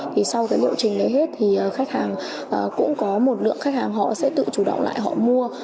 thì sau cái liệu trình đấy hết thì khách hàng cũng có một lượng khách hàng họ sẽ tự chủ động lại họ mua